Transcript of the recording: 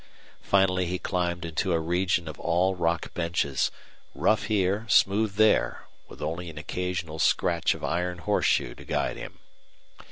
Finally he climbed into a region of all rock benches, rough here, smooth there, with only an occasional scratch of iron horseshoe to guide him.